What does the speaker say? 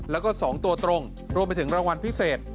แล้วก็๒ตัวตรงรวมไปถึงรางวัลพิเศษ